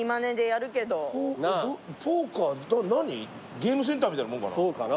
ゲームセンターみたいなもんかな。